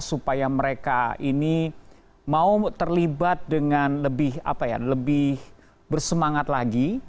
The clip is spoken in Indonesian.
supaya mereka ini mau terlibat dengan lebih apa ya lebih bersemangat lagi